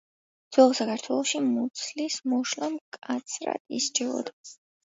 ძველ საქართველოში მუცლის მოშლა მკაცრად ისჯებოდა.